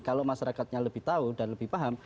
kalau masyarakatnya lebih tahu dan lebih paham